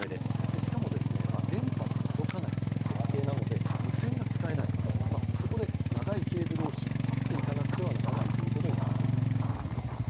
しかもですね、電波も届かない設定なので、無線が使えない、そこで長いケーブルを引っ張っていかなければいけないということになっています。